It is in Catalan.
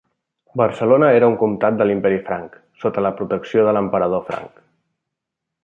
Barcelona era un comtat de l'Imperi Franc, sota la protecció de l'Emperador Franc.